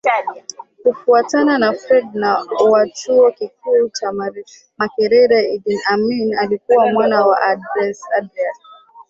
Kufuatana na Fred wa Chuo Kikuu cha Makerere Idi Amin alikuwa mwana wa Andreas